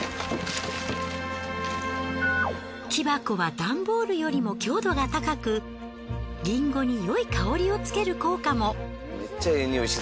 木箱はダンボールよりも強度が高くリンゴによい香りをつける効果も。